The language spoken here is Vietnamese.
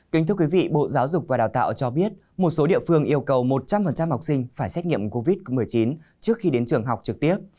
kính thưa quý vị bộ giáo dục và đào tạo cho biết một số địa phương yêu cầu một trăm linh học sinh phải xét nghiệm covid một mươi chín trước khi đến trường học trực tiếp